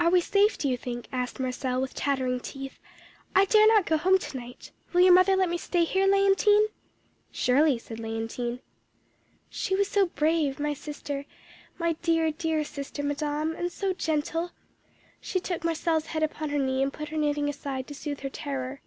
"'Are we safe, do you think?' asked Marcelle, with chattering teeth. 'I dare not go home to night. Will your mother let me stay here, Léontine?' "'Surely,' said Leontine. "She was so brave, my sister, my dear, dear sister, madame, and so gentle! she took Marcelle's head upon her knee, and put her knitting aside to soothe her terror.